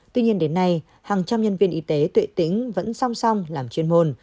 tuy nhiên đến nay hàng trăm nhân viên y tế tự tính vẫn song song làm chuyên môn